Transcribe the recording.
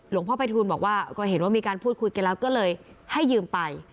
พ่อภัยทูลบอกว่าก็เห็นว่ามีการพูดคุยกันแล้วก็เลยให้ยืมไป